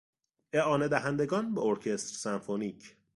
اعانه دهندگان به ارکستر سمفونیک